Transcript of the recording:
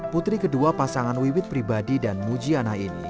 putri kedua pasangan wiwit pribadi dan mujiana ini